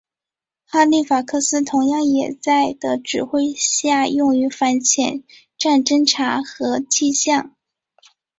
哈利法克斯同样也在的指挥下用于反潜战侦察和气象。